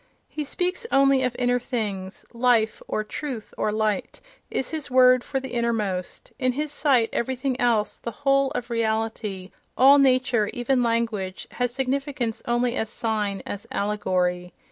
He speaks only of inner things: "life" or "truth" or "light" is his word for the innermost—in his sight everything else, the whole of reality, all nature, even language, has significance only as sign, as allegory.